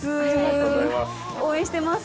応援してます。